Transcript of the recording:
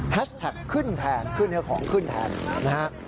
แท็กขึ้นแทนขึ้นเนื้อของขึ้นแทนนะฮะ